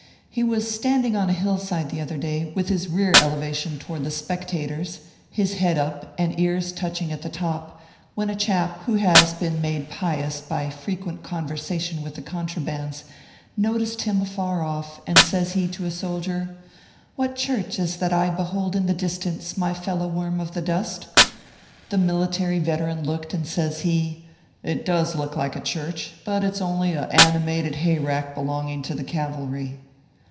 He was standing on a hill side the other day, with his rear elevation to ward the spectators, his head up and ears touching at the top, when a chap, who has been made pious by frequent conversation with the contrabands, noticed him afar off, and says he to a soldier, " What church ORPHEUS C. KERB PAPERS. 323 is that I behold in the distance, my fellow worm of the dust ?" The military veteran looked, and says he, " It does look like a church ; but it s only a animated hay rack belonging to the cavalry."